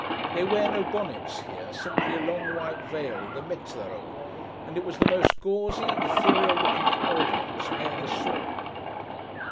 They wear no bonnets here, simply a long white veil—the 'mezzero;' and it was the most gauzy, ethereal looking audience I ever saw.